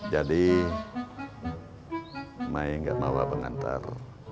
jadi ma enggak mau abang antar